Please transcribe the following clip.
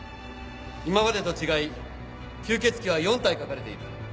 今までと違い吸血鬼は４体描かれている。